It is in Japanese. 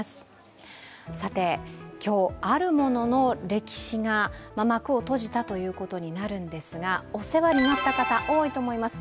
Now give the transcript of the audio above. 今日、あるものの歴史が幕を閉じたということになるんですがお世話になった方、多いと思います